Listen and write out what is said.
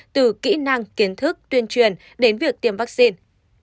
từ kỹ năng kiến thức tuyên truyền đến việc tiêm vaccine